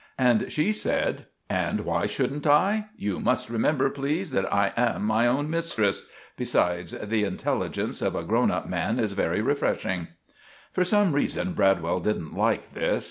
And she said: "And why shouldn't I? You must remember, please, that I am my own mistress. Besides, the intelligents of a grown up man is very refreshing." For some reason Bradwell didn't like this.